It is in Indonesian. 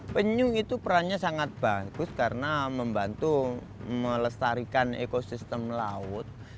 penyu itu perannya sangat bagus karena membantu melestarikan ekosistem laut